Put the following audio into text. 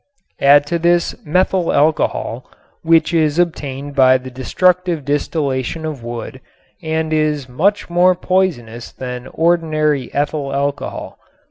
Add to this methyl alcohol which is obtained by the destructive distillation of wood and is much more poisonous than ordinary ethyl alcohol.